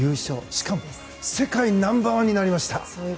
しかも世界ナンバーワンになりました！